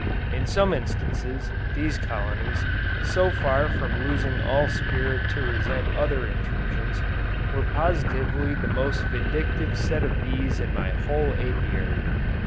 In some instances, these colonies, so far from losing all spirit to resent other intrusions, were positively the most vindictive set of bees in my whole Apiary.